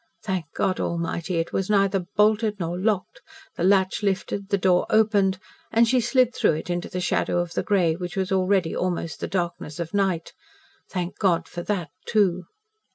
Thank God Almighty, it was neither bolted nor locked, the latch lifted, the door opened, and she slid through it into the shadow of the grey which was already almost the darkness of night. Thank God for that, too.